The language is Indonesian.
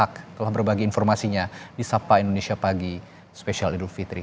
terima kasih fikri rofiul haq telah berbagi informasinya di sapa indonesia pagi special idul fitri